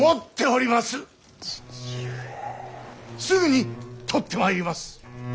すぐに取ってまいります。